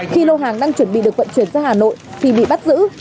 khi lô hàng đang chuẩn bị được vận chuyển ra hà nội thì bị bắt giữ